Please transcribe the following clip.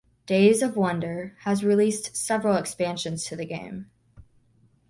Days of Wonder has released several expansions to the game.